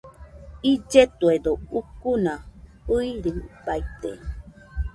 Illetuedo ucuna fɨirɨbaite.